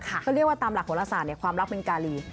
ก็เรียกว่าตามหลักของลักษณ์เนี่ยความรักเป็นการี